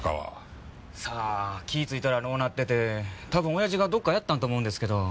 さあ気ぃついたらのうなってて多分おやじがどっかやったんと思うんですけど。